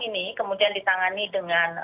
ini kemudian ditangani dengan